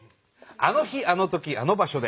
あの日あの時あの場所で。